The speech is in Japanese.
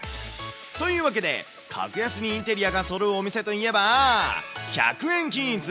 というわけで、格安にインテリアがそろうお店といえば、１００円均一。